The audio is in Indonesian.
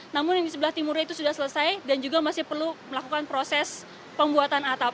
namun yang di sebelah timurnya itu sudah selesai dan juga masih perlu melakukan proses pembuatan atap